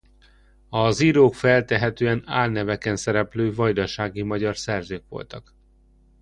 Az írók feltehetően álneveken szereplő vajdasági magyar szerzők voltak.